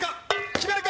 決めるか？